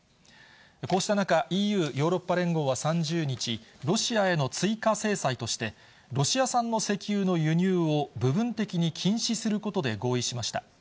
こうした中、ＥＵ・ヨーロッパ連合は３０日、ロシアへの追加制裁として、ロシア産の石油の輸入を部分的に禁止することで合意しました。